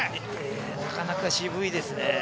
なかなか渋いですね。